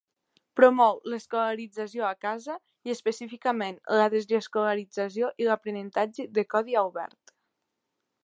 Promou l'escolarització a casa, i específicament la desescolarització i l'aprenentatge de codi obert.